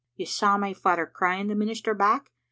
"You saw my father crying the minister back?